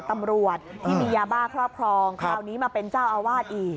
ตำรวจที่มียาบ้าครอบครองคราวนี้มาเป็นเจ้าอาวาสอีก